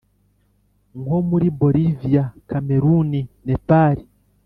Nko muri boliviya kameruni nepali